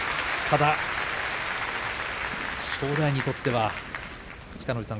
正代にとっては北の富士さん